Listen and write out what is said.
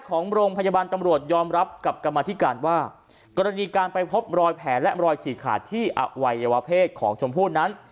กรณีการไปพบรอยแผลและรอยฉีดขาดที่อวัยยวะเพศของชมพูดนั้น